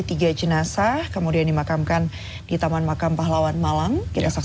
tiga jenazah yang dimakamkan di taman makam puspo pasuruan jawa timur